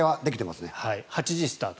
８時スタート。